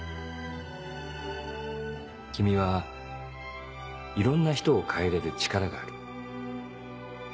君はいろんな人を変えれる力がある。